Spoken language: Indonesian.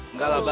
enggak lah abah